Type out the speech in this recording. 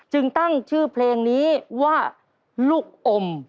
ตั้งชื่อเพลงนี้ว่าลูกอม